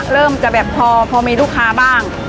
เริ่มจะแบบพอมีลูกค้าบ้าง